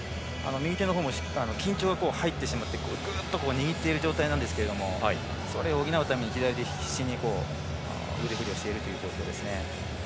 右手も緊張が入ってしまってぐっと握っている状態なんですがそれを補うために左で必死に腕振りをしているという状況ですね。